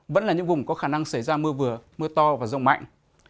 vẫn là những vùng có khả năng xảy ra mưa vừa mưa to và rông mạnh